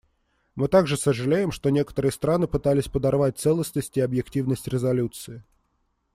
Мы также сожалеем, что некоторые страны пытались подорвать целостность и объективность резолюции.